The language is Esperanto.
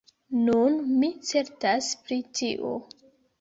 Nun mi certas pri tio.